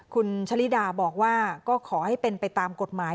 คุณชะลิดาบอกว่าก็ขอให้เป็นไปตามกฎหมาย